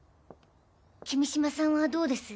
君島さんはどうです？